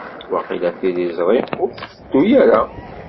Waqila tiliẓri ur tetteddu ara.